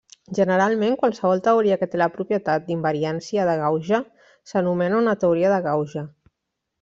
Generalment, qualsevol teoria que té la propietat d'invariància de gauge s'anomena una teoria de gauge.